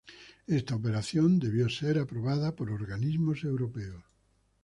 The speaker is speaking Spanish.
Esta operación debió ser aprobada por organismos europeos.